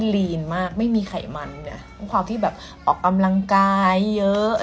ลีนมากไม่มีไขมันไงด้วยความที่แบบออกกำลังกายเยอะ